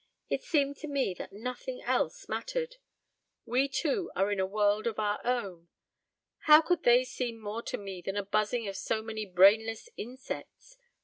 "It seemed to me that nothing else mattered. We two are in a world of our own. How could they seem more to me than the buzzing of so many brainless insects?